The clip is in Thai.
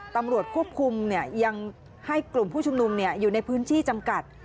ตำรวจควบคุมยังให้กลุ่มผู้ชุมนุมอยู่ในพื้นที่จำกัด